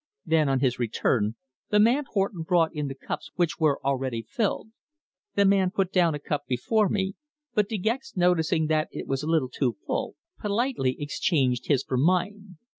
Then, on his return, the man Horton brought in the cups which were already filled. The man put down a cup before me, but De Gex noticing that it was a little too full, politely exchanged his for mine.